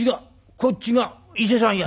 こっちが伊勢さんや」。